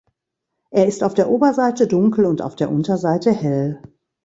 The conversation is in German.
Er ist auf der Oberseite dunkel und auf der Unterseite hell.